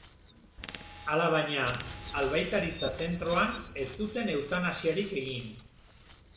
Alabaina, albaitaritza-zentroan ez zuten eutanasiarik egin.